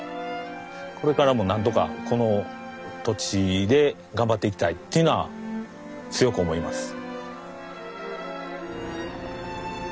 これからも何とかこの土地で頑張っていきたいっていうのは強く思います。